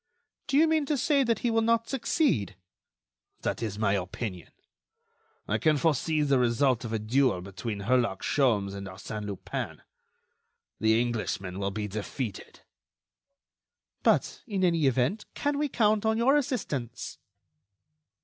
"Do you mean to say that he will not succeed?" "That is my opinion. I can foresee the result of a duel between Herlock Sholmes and Arsène Lupin. The Englishman will be defeated." "But, in any event, can we count on your assistance?"